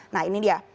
nah ini dia